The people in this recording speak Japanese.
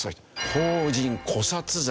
法人故殺罪。